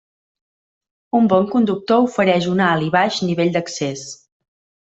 Un bon conductor ofereix un alt i baix nivell d'accés.